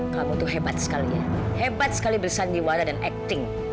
kamu tuh hebat sekali ya hebat sekali bersandiwara dan acting